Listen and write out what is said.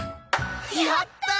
やったー！